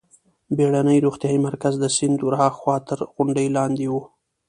بېړنی روغتیايي مرکز د سیند ورهاخوا تر غونډۍ لاندې و.